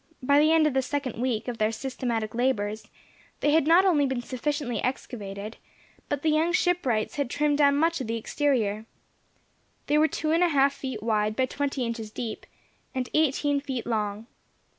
By the end of the second week of their systematic labours they had not only been sufficiently excavated, but the young shipwrights had trimmed down much of the exterior. They were two and a half feet wide, by twenty inches deep, and eighteen feet long.